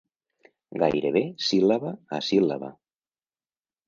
Gairebé síl·laba a síl·laba.